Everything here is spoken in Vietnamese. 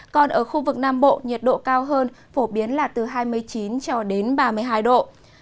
còn ở khu vực nam bộ nhiệt độ cao hơn phổ biến là từ hai mươi chín cho đến ba mươi hai độ